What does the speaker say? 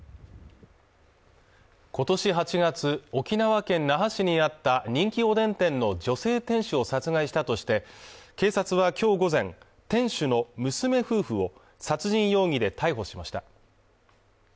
今年８月沖縄県那覇市にあった人気おでん店の女性店主を殺害したとして警察はきょう午前店主の娘夫婦を殺人容疑で逮捕しました